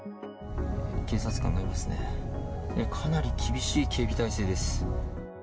警察官がいますね、かなり厳しい警備態勢です。